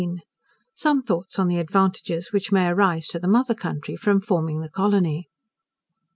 Some Thoughts on the Advantages which may arise to the Mother Country from forming the Colony.